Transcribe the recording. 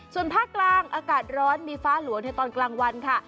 ส่วนภาคกลางอากาศร้อนมีฟ้าหลวงในตอนกลางวันค่ะ